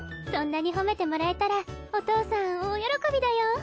そんなに褒めてもらえたらお父さん大喜びだよ。